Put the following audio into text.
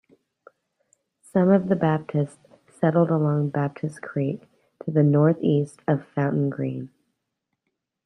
Some of the Baptists settled along Baptist Creek to the northeast of Fountain Green.